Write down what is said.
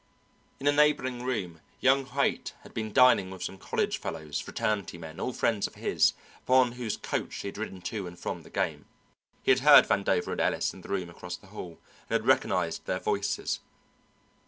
In a neighbouring room young Haight had been dining with some college fellows, fraternity men, all friends of his, upon whose coach he had ridden to and from the game. He had heard Vandover and Ellis in the room across the hall and had recognized their voices.